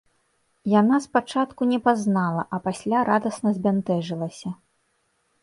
Яна спачатку не пазнала, а пасля радасна збянтэжылася.